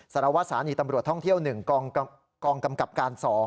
สารวัตสานีตำรวจท่องเที่ยว๑กองกำกับการ๒